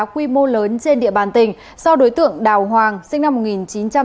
quy mô lớn trên địa bàn tỉnh do đối tượng đào hoàng sinh năm một nghìn chín trăm tám mươi